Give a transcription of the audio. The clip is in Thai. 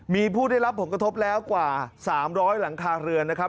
มีผู้ได้รับผลกระทบแล้วกว่า๓๐๐หลังคาเรือนนะครับ